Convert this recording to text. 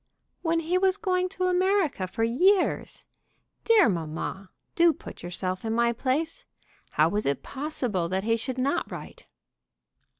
"When he was going to America for years! Dear mamma, do put yourself in my place. How was it possible that he should not write?"